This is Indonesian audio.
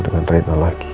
dengan rena lagi